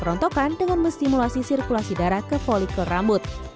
berkontokan dengan memstimulasi sirkulasi darah ke folikel rambut